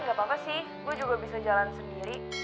gak apa apa sih gue juga bisa jalan sendiri